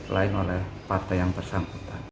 selain oleh partai yang tersangkutan